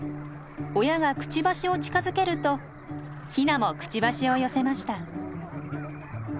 親がクチバシを近づけるとヒナもクチバシを寄せました。